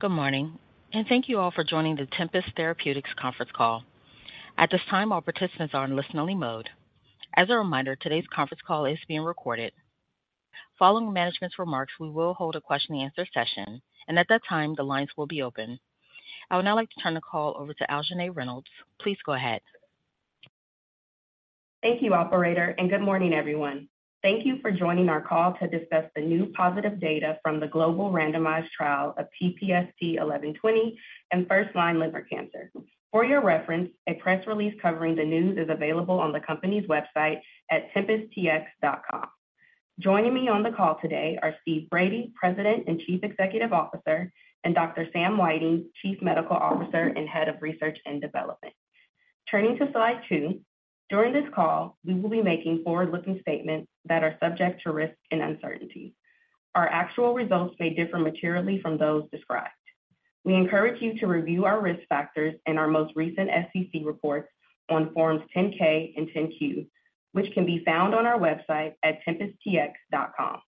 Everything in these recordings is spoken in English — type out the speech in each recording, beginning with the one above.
Good morning, and thank you all for joining the Tempest Therapeutics conference call. At this time, all participants are in listen-only mode. As a reminder, today's conference call is being recorded. Following management's remarks, we will hold a question-and-answer session, and at that time, the lines will be open. I would now like to turn the call over to Aljanae Reynolds. Please go ahead. Thank you, operator, and good morning, everyone. Thank you for joining our call to discuss the new positive data from the global randomized trial of TPST-1120 and first-line liver cancer. For your reference, a press release covering the news is available on the company's website at tempesttx.com. Joining me on the call today are Steve Brady, President and Chief Executive Officer, and Dr. Sam Whiting, Chief Medical Officer and Head of Research and Development. Turning to Slide 2, during this call, we will be making forward-looking statements that are subject to risks and uncertainties. Our actual results may differ materially from those described. We encourage you to review our Risk Factors and our most recent SEC reports on forms 10-K and 10-Q, which can be found on our website at tempesttx.com.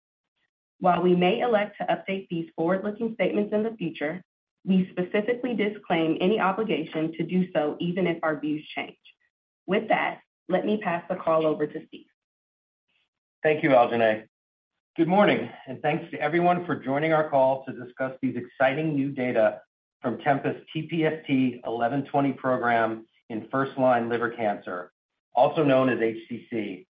While we may elect to update these forward-looking statements in the future, we specifically disclaim any obligation to do so, even if our views change. With that, let me pass the call over to Steve. Thank you, Aljanae. Good morning, and thanks to everyone for joining our call to discuss these exciting new data from Tempest TPST-1120 program in first-line liver cancer, also known as HCC.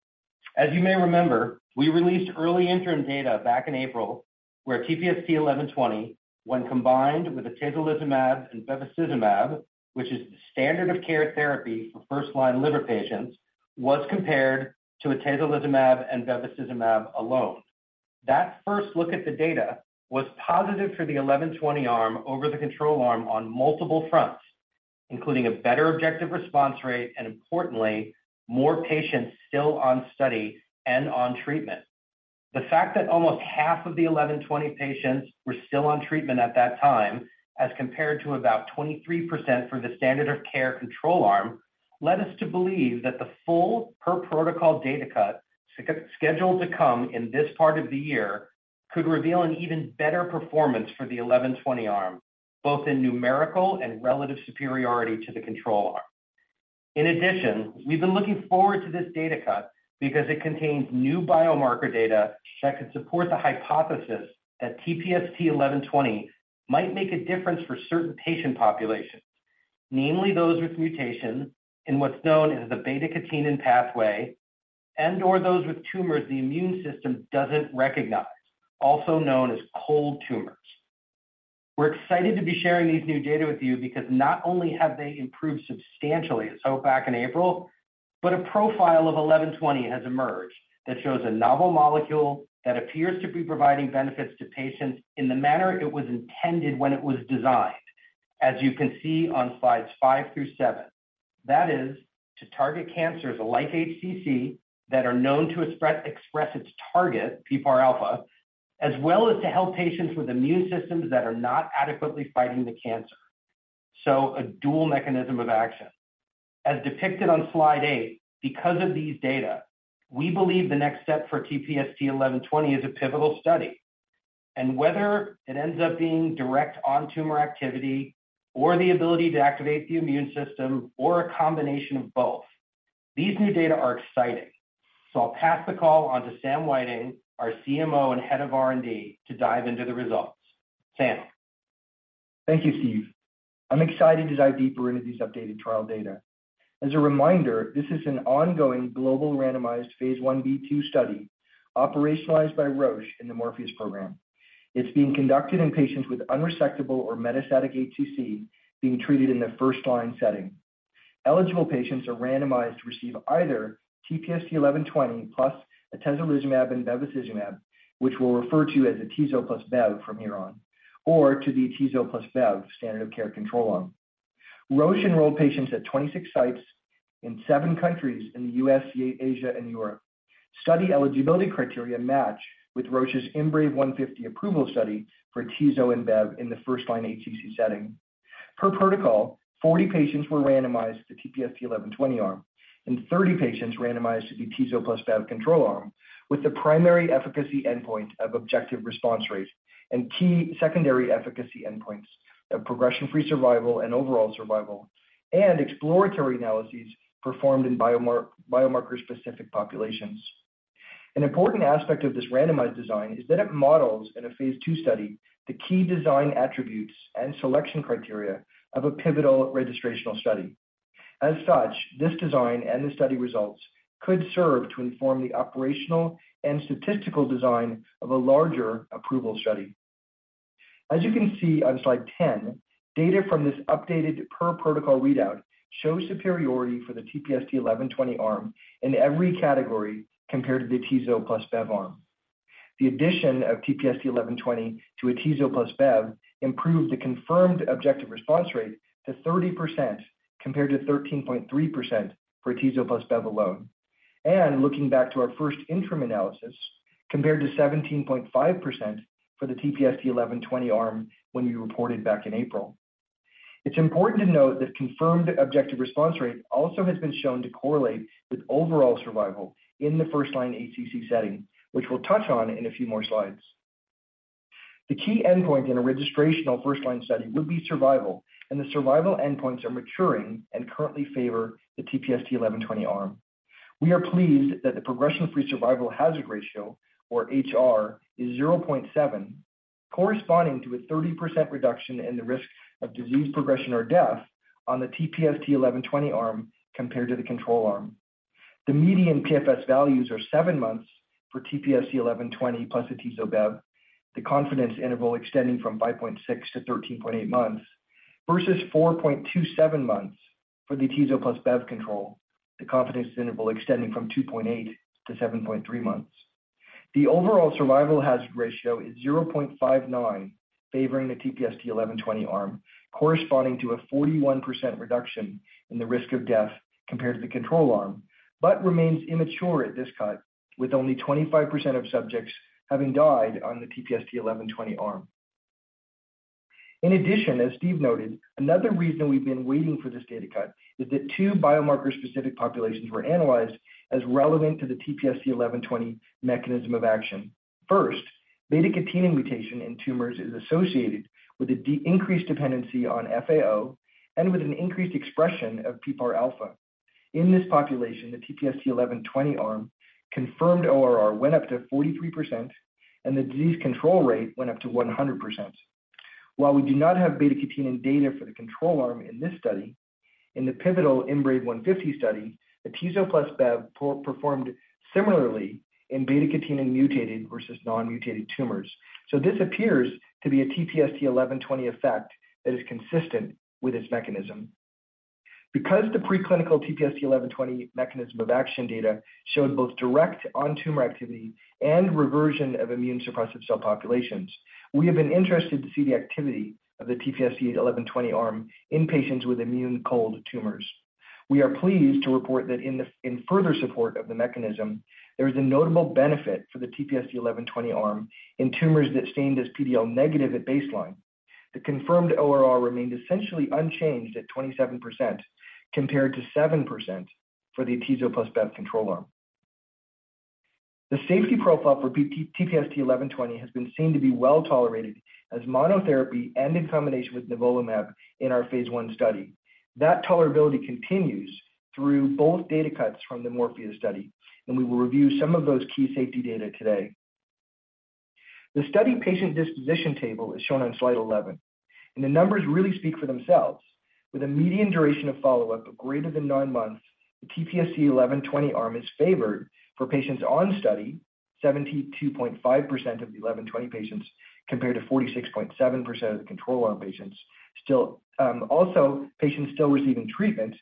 As you may remember, we released early interim data back in April, where TPST-1120, when combined with atezolizumab and bevacizumab, which is the standard of care therapy for first-line liver patients, was compared to atezolizumab and bevacizumab alone. That first look at the data was positive for the 1120 arm over the control arm on multiple fronts, including a better objective response rate and importantly, more patients still on study and on treatment. The fact that almost half of the 1120 patients were still on treatment at that time, as compared to about 23% for the standard of care control arm, led us to believe that the full per-protocol data cut, scheduled to come in this part of the year, could reveal an even better performance for the 1120 arm, both in numerical and relative superiority to the control arm. In addition, we've been looking forward to this data cut because it contains new biomarker data that could support the hypothesis that TPST-1120 might make a difference for certain patient populations, namely those with mutations in what's known as the beta-catenin pathway and/or those with tumors the immune system doesn't recognize, also known as cold tumors. We're excited to be sharing these new data with you because not only have they improved substantially, so back in April, but a profile of 1120 has emerged that shows a novel molecule that appears to be providing benefits to patients in the manner it was intended when it was designed, as you can see on Slides 5 through 7. That is, to target cancers like HCC that are known to express, express its target, PPAR alpha, as well as to help patients with immune systems that are not adequately fighting the cancer. So a dual mechanism of action. As depicted on Slide 8, because of these data, we believe the next step for TPST-1120 is a pivotal study. And whether it ends up being direct on-tumor activity or the ability to activate the immune system or a combination of both, these new data are exciting. I'll pass the call on to Sam Whiting, our CMO and Head of R&D, to dive into the results. Sam? Thank you, Steve. I'm excited to dive deeper into these updated trial data. As a reminder, this is an ongoing global randomized phase Ib/II study, operationalized by Roche in the MORPHEUS program. It's being conducted in patients with unresectable or metastatic HCC being treated in the first-line setting. Eligible patients are randomized to receive either TPST-1120 plus atezolizumab and bevacizumab, which we'll refer to as atezo plus bev from here on, or to the atezo plus bev standard of care control arm. Roche enrolled patients at 26 sites in 7 countries in the U.S., Asia, and Europe. Study eligibility criteria match with Roche's IMbrave150 approval study for atezo and bev in the first-line HCC setting. Per protocol, 40 patients were randomized to TPST-1120 arm, and 30 patients randomized to the atezo plus bev control arm, with the primary efficacy endpoint of objective response rate and key secondary efficacy endpoints of progression-free survival and overall survival, and exploratory analyses performed in biomarker-specific populations. An important aspect of this randomized design is that it models in a phase II study the key design attributes and selection criteria of a pivotal registrational study. As such, this design and the study results could serve to inform the operational and statistical design of a larger approval study. As you can see on Slide 10, data from this updated per-protocol readout shows superiority for the TPST-1120 arm in every category compared to the atezo plus bev arm. The addition of TPST-1120 to atezo plus bev improved the confirmed objective response rate to 30%, compared to 13.3% for atezo plus bev alone. Looking back to our first interim analysis, compared to 17.5% for the TPST-1120 arm when we reported back in April. It's important to note that confirmed objective response rate also has been shown to correlate with overall survival in the first-line HCC setting, which we'll touch on in a few more slides. The key endpoint in a registrational first-line study would be survival, and the survival endpoints are maturing and currently favor the TPST-1120 arm. We are pleased that the progression-free survival hazard ratio, or HR, is 0.7, corresponding to a 30% reduction in the risk of disease progression or death on the TPST-1120 arm compared to the control arm. The median PFS values are 7 months for TPST-1120 plus atezo-bev, the confidence interval extending from 5.6 to 13.8 months, versus 4.27 months for the atezo plus bev control, the confidence interval extending from 2.8 to 7.3 months. The overall survival hazard ratio is 0.59, favoring the TPST-1120 arm, corresponding to a 41% reduction in the risk of death compared to the control arm, but remains immature at this cut, with only 25% of subjects having died on the TPST-1120 arm. In addition, as Steve noted, another reason we've been waiting for this data cut is that two biomarker-specific populations were analyzed as relevant to the TPST-1120 mechanism of action. First, beta-catenin mutation in tumors is associated with a decreased dependency on FAO and with an increased expression of PPARα. In this population, the TPST-1120 arm confirmed ORR went up to 43, and the disease control rate went up to 100%. While we do not have beta-catenin data for the control arm in this study, in the pivotal IMbrave150 study, atezo plus bev performed similarly in beta-catenin mutated versus non-mutated tumors. So this appears to be a TPST-1120 effect that is consistent with its mechanism. Because the preclinical TPST-1120 mechanism of action data showed both direct on-tumor activity and reversion of immune suppressive cell populations, we have been interested to see the activity of the TPST-1120 arm in patients with immune-cold tumors. We are pleased to report that in further support of the mechanism, there is a notable benefit for the TPST-1120 arm in tumors that stained as PD-L1 negative at baseline. The confirmed ORR remained essentially unchanged at 27%, compared to 7% for the atezo plus bev control arm. The safety profile for TPST-1120 has been seen to be well tolerated as monotherapy and in combination with nivolumab in our phase I study. That tolerability continues through both data cuts from the MORPHEUS study, and we will review some of those key safety data today. The study patient disposition table is shown on Slide 11, and the numbers really speak for themselves. With a median duration of follow-up of greater than 9 months, the TPST-1120 arm is favored for patients on study, 72.5% of the 1120 patients, compared to 46.7% of the control arm patients. Still, also, patients still receiving treatment,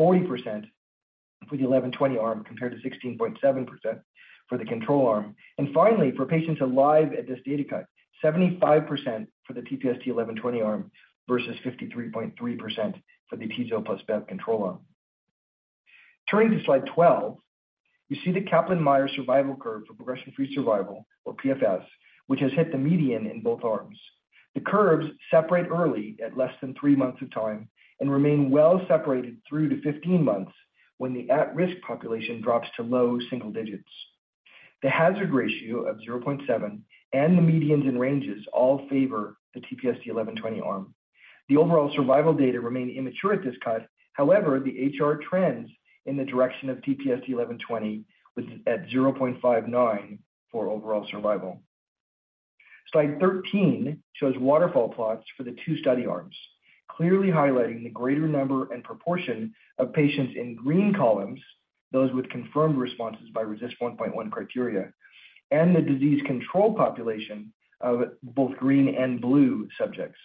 40% for the 1120 arm, compared to 16.7% for the control arm. Finally, for patients alive at this data cut, 75% for the TPST-1120 arm versus 53.3% for the atezo plus bev control arm. Turning to Slide 12, you see the Kaplan-Meier survival curve for progression-free survival, or PFS, which has hit the median in both arms. The curves separate early, at less than 3 months of time, and remain well separated through to 15 months, when the at-risk population drops to low single digits. The hazard ratio of 0.7 and the medians and ranges all favor the TPST-1120 arm. The overall survival data remain immature at this cut. However, the HR trends in the direction of TPST-1120 was at 0.59 for overall survival. Slide 13 shows waterfall plots for the 2 study arms, clearly highlighting the greater number and proportion of patients in green columns, those with confirmed responses by RECIST 1.1 criteria, and the disease control population of both green and blue subjects.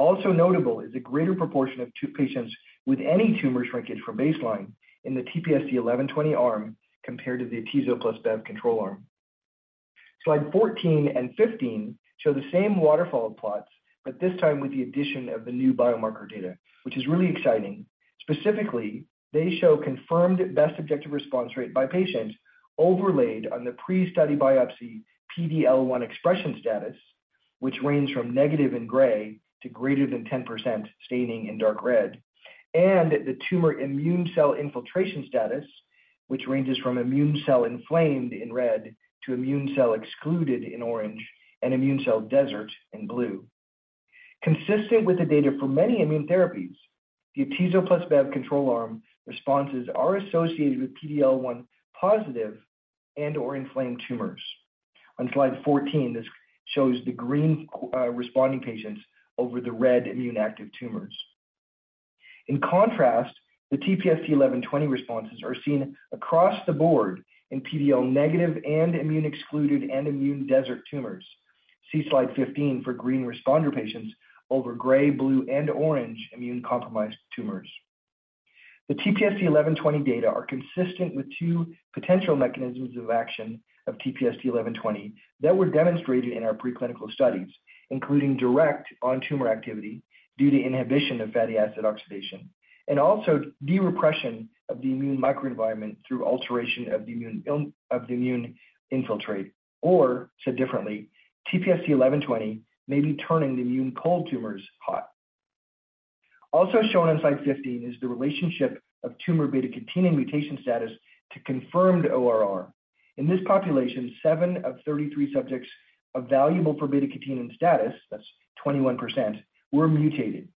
Also notable is a greater proportion of two patients with any tumor shrinkage from baseline in the TPST-1120 arm compared to the atezo plus bev control arm. Slide 14 and 15 show the same waterfall plots, but this time with the addition of the new biomarker data, which is really exciting. Specifically, they show confirmed best objective response rate by patients overlaid on the pre-study biopsy PD-L1 expression status, which ranges from negative in gray to greater than 10% staining in dark red, and the tumor immune cell infiltration status, which ranges from immune cell inflamed in red to immune cell excluded in orange and immune cell desert in blue. Consistent with the data for many immune therapies, the atezo plus bev control arm responses are associated with PD-L1 positive and/or inflamed tumors. On Slide 14, this shows the green responding patients over the red immune-active tumors. In contrast, the TPST-1120 responses are seen across the board in PD-L1 negative and immune-excluded and immune desert tumors. See Slide 15 for green responder patients over gray, blue, and orange immune-compromised tumors. The TPST-1120 data are consistent with two potential mechanisms of action of TPST-1120 that were demonstrated in our preclinical studies, including direct on-tumor activity due to inhibition of fatty acid oxidation... and also de-repression of the immune microenvironment through alteration of the immune milieu of the immune infiltrate. Or said differently, TPST-1120 may be turning the immune cold tumors hot. Also shown on Slide 15 is the relationship of tumor beta-catenin mutation status to confirmed ORR. In this population, 7 of 33 subjects were evaluable for beta-catenin status, that's 21%, were mutated.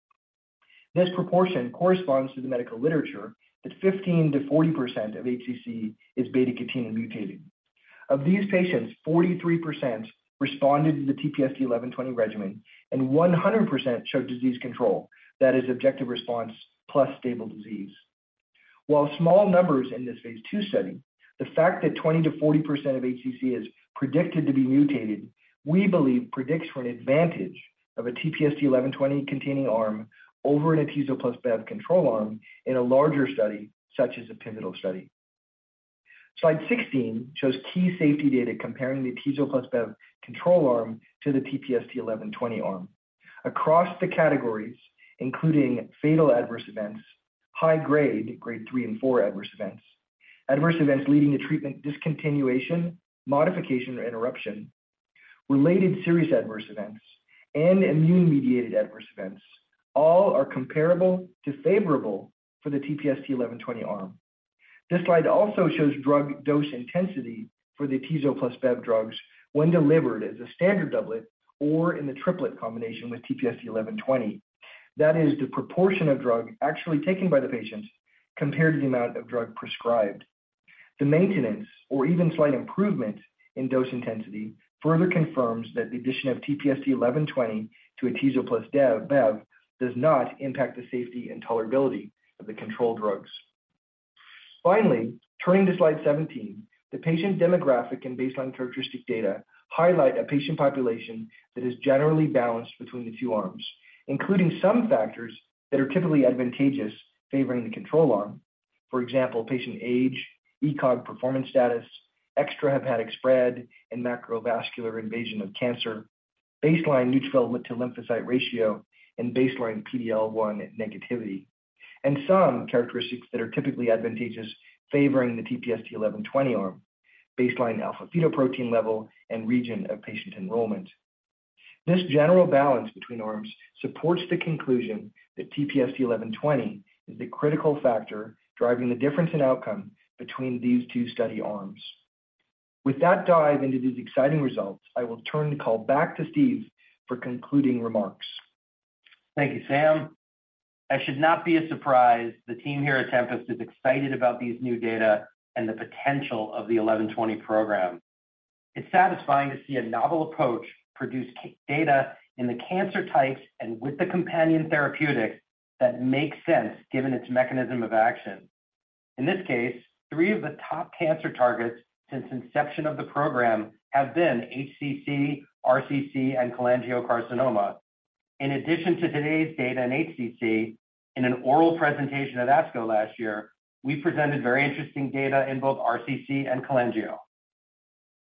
This proportion corresponds to the medical literature that 15%-40% of HCC is beta-catenin mutated. Of these patients, 43% responded to the TPST-1120 regimen, and 100% showed disease control. That is objective response plus stable disease. While small numbers in this phase II study, the fact that 20%-40% of HCC is predicted to be mutated, we believe predicts for an advantage of a TPST-1120-containing arm over an atezo plus bev control arm in a larger study, such as a pivotal study. Slide 16 shows key safety data comparing the atezo plus bev control arm to the TPST-1120 arm. Across the categories, including fatal adverse events, high grade, Grade 3 and 4 adverse events, adverse events leading to treatment discontinuation, modification, or interruption, related serious adverse events, and immune-mediated adverse events, all are comparable to favorable for the TPST-1120 arm. This slide also shows drug dose intensity for the atezo plus bev drugs when delivered as a standard doublet or in the triplet combination with TPST-1120. That is, the proportion of drug actually taken by the patients compared to the amount of drug prescribed. The maintenance or even slight improvement in dose intensity further confirms that the addition of TPST-1120 to atezolizumab plus bevacizumab does not impact the safety and tolerability of the control drugs. Finally, turning to Slide 17, the patient demographic and baseline characteristic data highlight a patient population that is generally balanced between the two arms, including some factors that are typically advantageous, favoring the control arm. For example, patient age, ECOG performance status, extrahepatic spread, and macrovascular invasion of cancer, baseline neutrophil to lymphocyte ratio, and baseline PD-L1 negativity, and some characteristics that are typically advantageous favoring the TPST-1120 arm, baseline alpha-fetoprotein level and region of patient enrollment. This general balance between arms supports the conclusion that TPST-1120 is the critical factor driving the difference in outcome between these two study arms. With that dive into these exciting results, I will turn the call back to Steve for concluding remarks. Thank you, Sam. That should not be a surprise. The team here at Tempest is excited about these new data and the potential of the 1120 program. It's satisfying to see a novel approach produce key data in the cancer types and with the companion therapeutic that makes sense, given its mechanism of action. In this case, three of the top cancer targets since inception of the program have been HCC, RCC, and cholangiocarcinoma. In addition to today's data in HCC, in an oral presentation at ASCO last year, we presented very interesting data in both RCC and cholangio.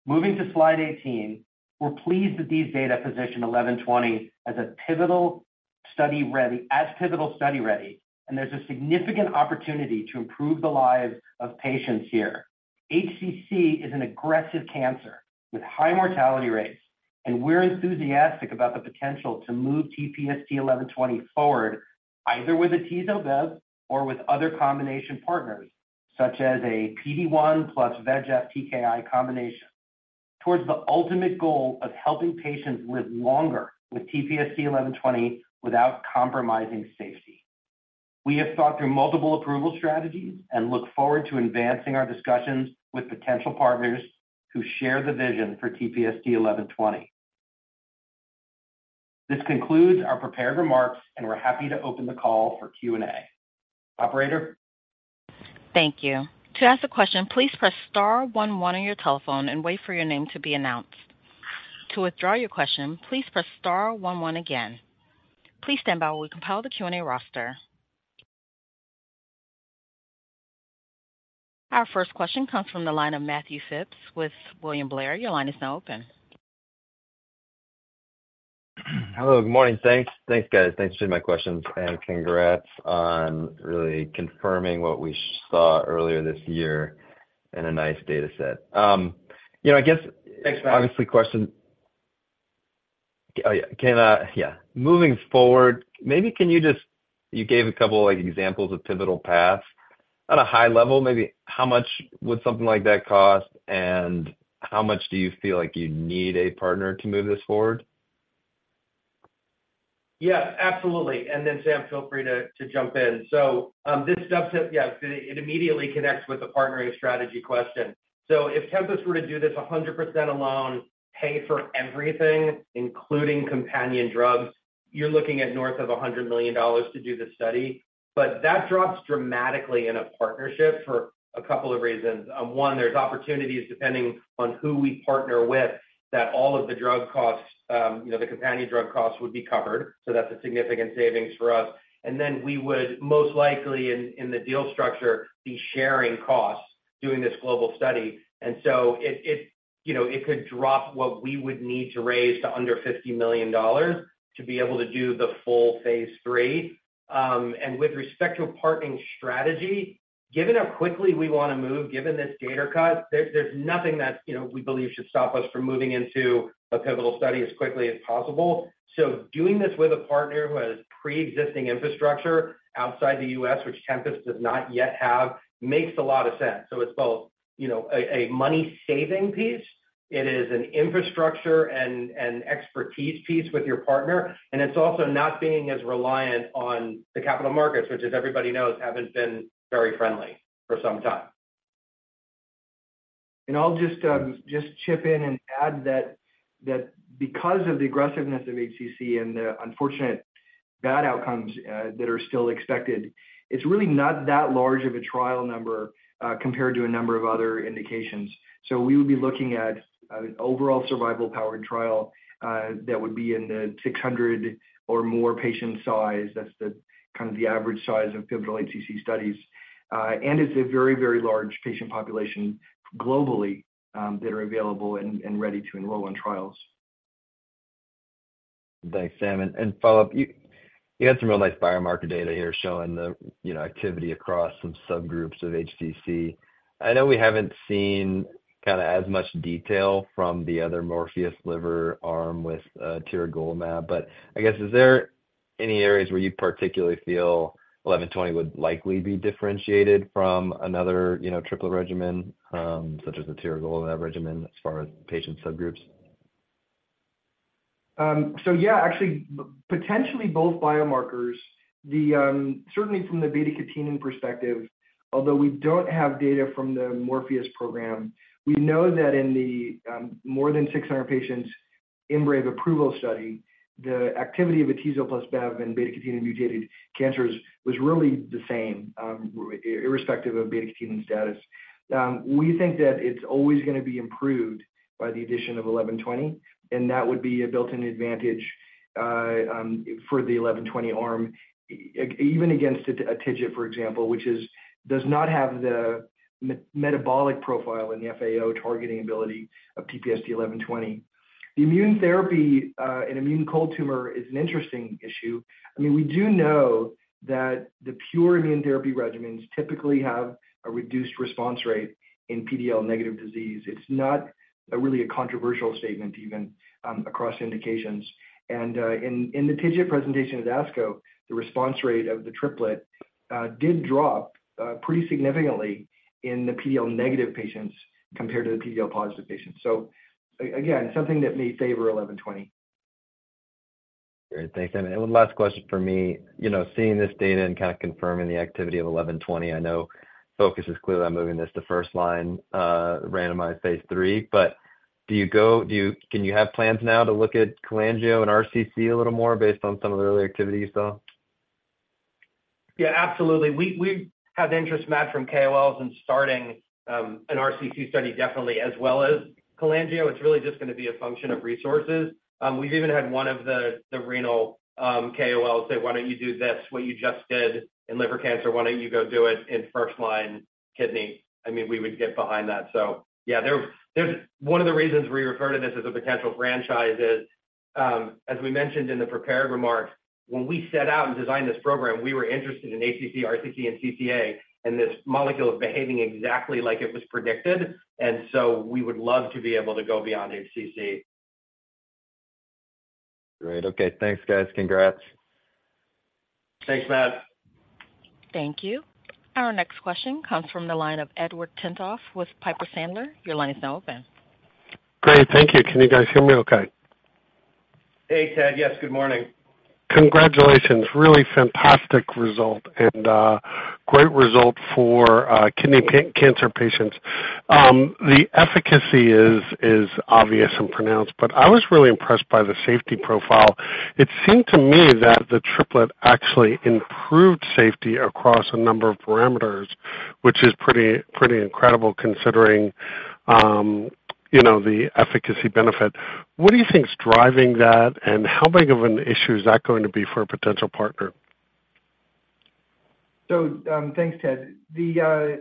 Moving to Slide 18, we're pleased that these data position 1120 as pivotal study ready, and there's a significant opportunity to improve the lives of patients here. HCC is an aggressive cancer with high mortality rates, and we're enthusiastic about the potential to move TPST-1120 forward, either with atezo-bev or with other combination partners, such as a PD-1 plus VEGF TKI combination, towards the ultimate goal of helping patients live longer with TPST-1120 without compromising safety. We have thought through multiple approval strategies and look forward to advancing our discussions with potential partners who share the vision for TPST-1120. This concludes our prepared remarks, and we're happy to open the call for Q&A. Operator? Thank you. To ask a question, please press Star one one on your telephone and wait for your name to be announced. To withdraw your question, please press Star one one again. Please stand by while we compile the Q&A roster. Our first question comes from the line of Matthew Phipps with William Blair. Your line is now open. Hello, good morning. Thanks. Thanks, guys. Thanks for my questions, and congrats on really confirming what we saw earlier this year in a nice data set. You know, I guess- Thanks, Matt. Can, yeah. Moving forward, maybe can you just—you gave a couple of examples of pivotal paths. At a high level, maybe how much would something like that cost, and how much do you feel like you need a partner to move this forward? Yes, absolutely. And then Sam, feel free to jump in. So this steps up... Yeah, it immediately connects with the partnering strategy question. So if Tempest were to do this 100% alone, pay for everything, including companion drugs, you're looking at north of $100 million to do this study. But that drops dramatically in a partnership for a couple of reasons. One, there's opportunities, depending on who we partner with, that all of the drug costs, you know, the companion drug costs would be covered. So that's a significant savings for us. And then we would most likely in the deal structure, be sharing costs doing this global study. And so it... you know, it could drop what we would need to raise to under $50 million to be able to do the full phase III. And with respect to a partnering strategy, given how quickly we want to move, given this data cut, there's nothing that, you know, we believe should stop us from moving into a pivotal study as quickly as possible. So doing this with a partner who has pre-existing infrastructure outside the U.S., which Tempest does not yet have, makes a lot of sense. So it's both, you know, a money-saving piece. It is an infrastructure and expertise piece with your partner, and it's also not being as reliant on the capital markets, which, as everybody knows, haven't been very friendly for some time. I'll just, just chip in and add that, that because of the aggressiveness of HCC and the unfortunate bad outcomes, that are still expected, it's really not that large of a trial number, compared to a number of other indications. So we would be looking at, an overall survival-powered trial, that would be in the 600 or more patient size. That's the kind of the average size of pivotal HCC studies. And it's a very, very large patient population globally, that are available and, ready to enroll on trials. Thanks, Sam. And follow up, you had some real nice biomarker data here showing the, you know, activity across some subgroups of HCC. I know we haven't seen kind of as much detail from the other MORPHEUS liver arm with tiragolumab, but I guess, is there any areas where you particularly feel 1120 would likely be differentiated from another, you know, triplet regimen such as the tiragolumab regimen as far as patient subgroups? So yeah, actually, potentially both biomarkers. Certainly from the beta-catenin perspective, although we don't have data from the MORPHEUS program, we know that in the more than 600 patients IMbrave150 approval study, the activity of atezo plus bev and beta-catenin mutated cancers was really the same, irrespective of beta-catenin status. We think that it's always gonna be improved by the addition of 1120, and that would be a built-in advantage for the 1120 arm, even against a TIGIT, for example, which does not have the metabolic profile and the FAO targeting ability of TPST-1120. The immune therapy in immune cold tumor is an interesting issue. I mean, we do know that the pure immune therapy regimens typically have a reduced response rate in PDL negative disease. It's not really a controversial statement, even across indications. In the TIGIT presentation at ASCO, the response rate of the triplet did drop pretty significantly in the PD-L1 negative patients compared to the PD-L1 positive patients. Again, something that may favor 1120. Great. Thanks, Sam. One last question for me. You know, seeing this data and kind of confirming the activity of 1120, I know focus is clearly on moving this to first-line, randomized phase III, but do you go—do you—can you have plans now to look at cholangio and RCC a little more based on some of the early activity you saw? Yeah, absolutely. We've had interest, Matt, from KOLs in starting an RCC study definitely, as well as cholangio. It's really just gonna be a function of resources. We've even had one of the renal KOL say: Why don't you do this, what you just did in liver cancer, why don't you go do it in first-line kidney? I mean, we would get behind that. So yeah, there's one of the reasons we refer to this as a potential franchise is, as we mentioned in the prepared remarks, when we set out and designed this program, we were interested in HCC, RCC, and CCA, and this molecule is behaving exactly like it was predicted, and so we would love to be able to go beyond HCC. Great. Okay, thanks, guys. Congrats. Thanks, Matt. Thank you. Our next question comes from the line of Ted Tenthoff with Piper Sandler. Your line is now open. Great, thank you. Can you guys hear me okay? Hey, Ted. Yes, good morning. Congratulations. Really fantastic result and great result for kidney cancer patients. The efficacy is obvious and pronounced, but I was really impressed by the safety profile. It seemed to me that the triplet actually improved safety across a number of parameters, which is pretty incredible, considering you know, the efficacy benefit. What do you think is driving that, and how big of an issue is that going to be for a potential partner? So, thanks, Ted. The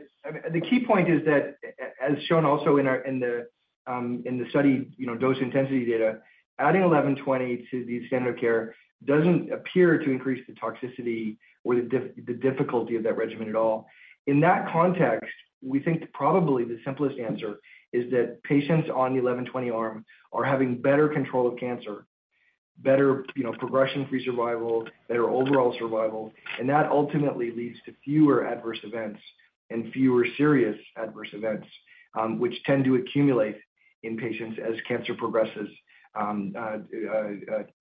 key point is that, as shown also in our study, you know, dose intensity data, adding 1120 to the standard care doesn't appear to increase the toxicity or the difficulty of that regimen at all. In that context, we think probably the simplest answer is that patients on the 1120 arm are having better control of cancer, better, you know, progression-free survival, better overall survival, and that ultimately leads to fewer adverse events and fewer serious adverse events, which tend to accumulate in patients as cancer progresses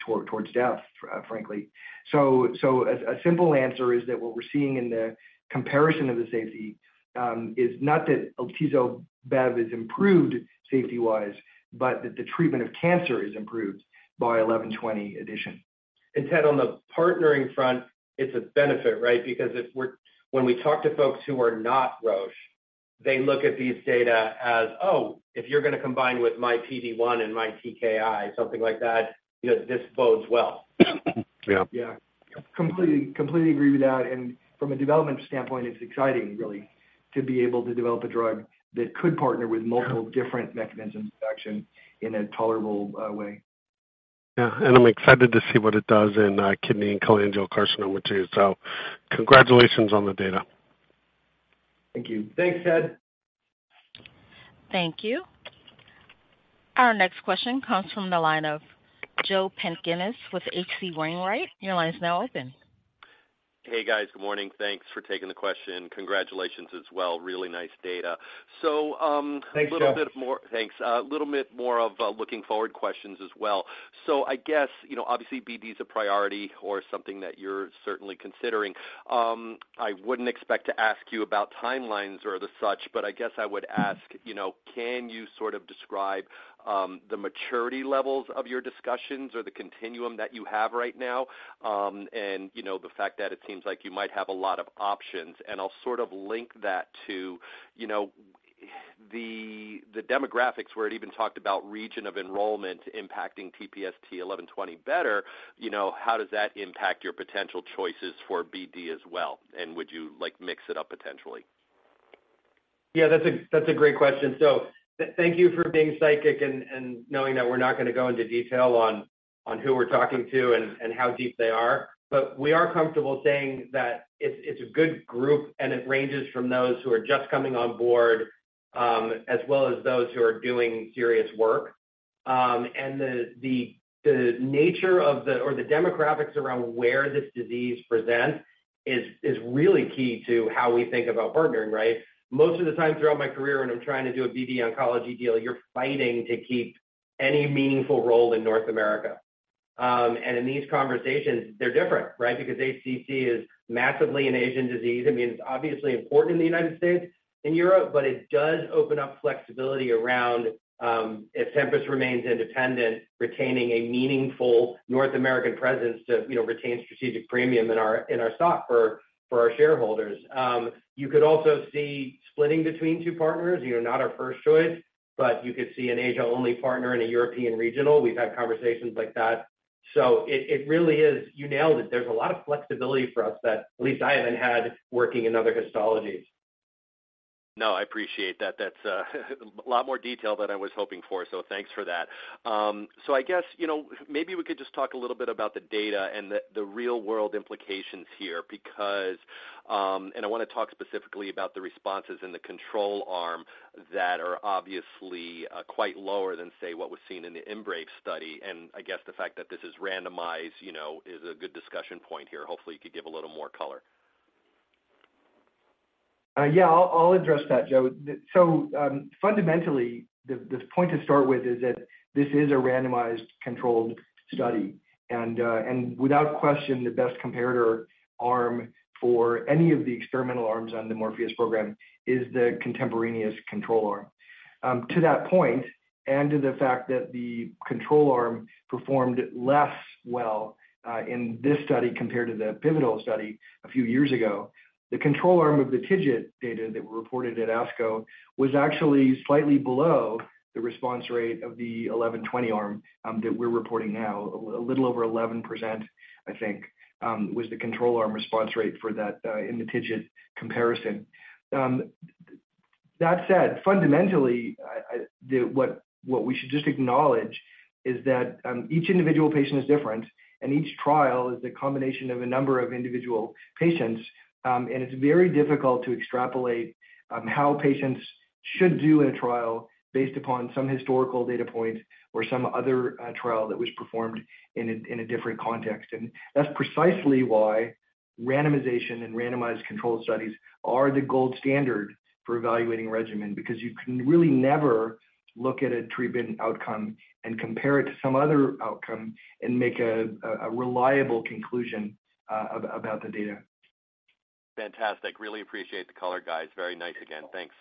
towards death, frankly. A simple answer is that what we're seeing in the comparison of the safety is not that atezo-bev is improved safety-wise, but that the treatment of cancer is improved by TPST-1120 addition. Ted, on the partnering front, it's a benefit, right? Because when we talk to folks who are not Roche, they look at these data as, "Oh, if you're gonna combine with my PD-1 and my TKI, something like that, you know, this bodes well. Yeah. Yeah. Completely, completely agree with that. And from a development standpoint, it's exciting really, to be able to develop a drug that could partner with multiple- Yeah... different mechanisms of action in a tolerable way.... Yeah, and I'm excited to see what it does in kidney and cholangiocarcinoma, too. So congratulations on the data. Thank you. Thanks, Ted. Thank you. Our next question comes from the line of Joe Pantginis with H.C. Wainwright. Your line is now open. Hey, guys. Good morning. Thanks for taking the question. Congratulations as well. Really nice data. So, Thanks, Joe. Thanks. A little bit more of, you know, looking forward questions as well. I guess, you know, obviously, BD is a priority or something that you're certainly considering. I wouldn't expect to ask you about timelines or the such, but I guess I would ask, you know, can you sort of describe the maturity levels of your discussions or the continuum that you have right now? You know, the fact that it seems like you might have a lot of options, and I'll sort of link that to, you know, the demographics where it even talked about region of enrollment impacting TPST-1120 better, you know, how does that impact your potential choices for BD as well? Would you, like, mix it up potentially? Yeah, that's a great question. So thank you for being psychic and knowing that we're not gonna go into detail on who we're talking to and how deep they are. But we are comfortable saying that it's a good group, and it ranges from those who are just coming on board, as well as those who are doing serious work. And the nature of the... or the demographics around where this disease presents is really key to how we think about partnering, right? Most of the time throughout my career, when I'm trying to do a BD oncology deal, you're fighting to keep any meaningful role in North America. And in these conversations, they're different, right? Because HCC is massively an Asian disease. I mean, it's obviously important in the United States and Europe, but it does open up flexibility around if Tempest remains independent, retaining a meaningful North American presence to, you know, retain strategic premium in our, in our stock for, for our shareholders. You could also see splitting between two partners, you know, not our first choice, but you could see an Asia-only partner and a European regional. We've had conversations like that. So it really is... You nailed it. There's a lot of flexibility for us that at least I haven't had working in other histologies. No, I appreciate that. That's a lot more detail than I was hoping for, so thanks for that. So I guess, you know, maybe we could just talk a little bit about the data and the real-world implications here, because, and I want to talk specifically about the responses in the control arm that are obviously quite lower than, say, what was seen in the IMbrave study. I guess the fact that this is randomized, you know, is a good discussion point here. Hopefully, you could give a little more color. Yeah, I'll address that, Joe. Fundamentally, the point to start with is that this is a randomized controlled study, and without question, the best comparator arm for any of the experimental arms on the MORPHEUS program is the contemporaneous control arm. To that point, and to the fact that the control arm performed less well in this study compared to the pivotal study a few years ago, the control arm of the TIGIT data that were reported at ASCO was actually slightly below the response rate of the 1120 arm that we're reporting now. A little over 11%, I think, was the control arm response rate for that in the TIGIT comparison. That said, fundamentally, what we should just acknowledge is that, each individual patient is different, and each trial is a combination of a number of individual patients, and it's very difficult to extrapolate, how patients should do in a trial based upon some historical data points or some other, trial that was performed in a different context. And that's precisely why randomization and randomized controlled studies are the gold standard for evaluating regimen, because you can really never look at a treatment outcome and compare it to some other outcome and make a reliable conclusion, about the data. Fantastic. Really appreciate the color, guys. Very nice again. Thanks.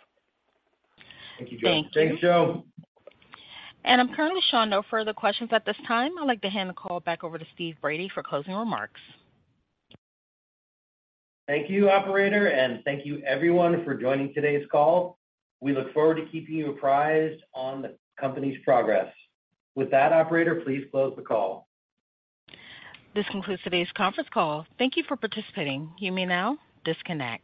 Thank you, Joe. Thank you. Thanks, Joe. I'm currently showing no further questions at this time. I'd like to hand the call back over to Steve Brady for closing remarks. Thank you, operator, and thank you everyone for joining today's call. We look forward to keeping you apprised on the company's progress. With that, operator, please close the call. This concludes today's conference call. Thank you for participating. You may now disconnect.